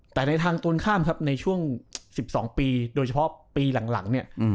แต่ในทางตรงข้ามครับในช่วง๑๒ปีโดยเฉพาะปีหลังเนี่ย